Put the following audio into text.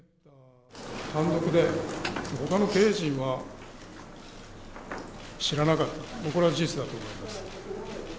単独で、ほかの経営陣は知らなかった、これは事実だと思います。